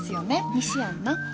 西やんな？